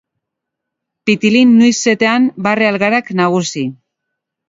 Pitilin newsetan barre algarak nagusi.